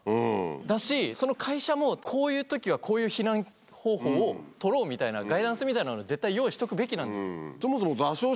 だしその会社もこういう時はこういう避難方法をとろうみたいなガイダンスみたいなの絶対用意しとくべきなんですよ。